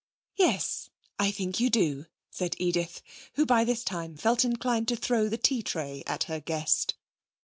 'Yes, I think you do,' said Edith, who by this time felt inclined to throw the tea tray at her guest.